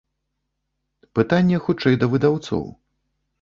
Пытанне хутчэй да выдаўцоў.